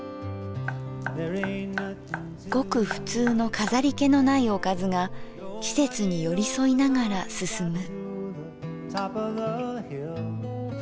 ごくふつうの飾り気のないおかずが季節に寄り添いながら進む。